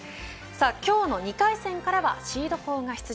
今日の２回戦からはシード校が出場。